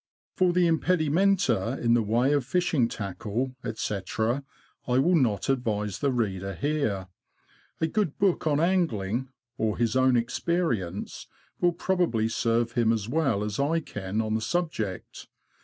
For the impedimenta in the way of fishing tackle, &c., I will not advise the reader here. A good book on angling, or his own experience, will probably serve him as well as I can on the subject.